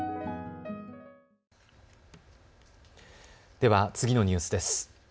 では次のニュースです。